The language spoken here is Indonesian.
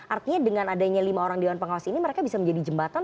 artinya dengan adanya lima orang dewan pengawas ini mereka bisa menjadi jembatan